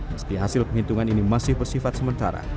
meski hasil penghitungan ini masih bersifat sementara